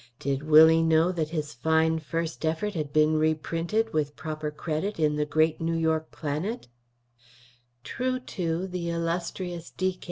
Did Willie know that his fine first effort had been reprinted, with proper credit, in the great New York Planet? True, too, the illustrious D.K.